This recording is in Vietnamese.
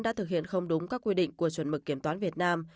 đã thực hiện không đúng các quy định của chuẩn mực kiểm toán việt nam